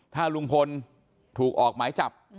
ถ้าลุงพลถูกออกหมายจับ